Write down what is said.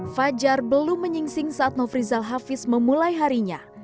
fajar belum menyingsing saat nofri zalhafis memulai harinya